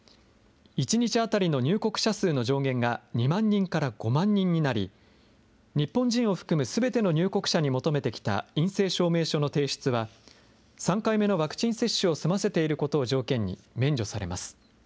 １日当たりの入国者数の上限が、２万人から５万人になり、日本人を含むすべての入国者に求めてきた陰性証明書の提出は、３回目のワクチン接種を済ませていることを条件に、免除されます。